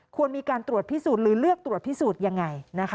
ควรมีการตรวจพิสูจน์หรือเลือกตรวจพิสูจน์ยังไง